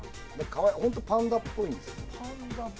本当、パンダっぽいんですよね。